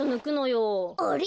あれ？